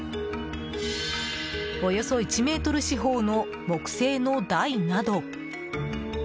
およそ１ｍ四方の木製の台など。